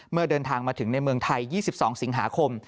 เดินทางมาถึงในเมืองไทย๒๒สิงหาคม